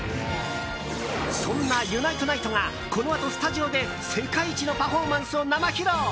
そんなＵＮＩＴＥＮＩＴＥがこのあとスタジオで世界一のパフォーマンスを生披露。